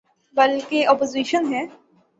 بلکہ اپوزیشن ہے۔